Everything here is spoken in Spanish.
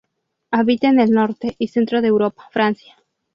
Habita en el Norte y centro de Europa, Francia.